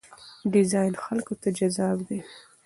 ډیزاین خلکو ته جذاب دی.